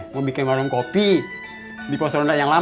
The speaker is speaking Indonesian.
mau bikin warung kopi di pos ronda yang lama